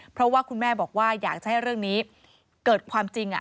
เพราะว่าคุณแม่บอกว่าอยากจะให้เรื่องนี้เกิดความจริง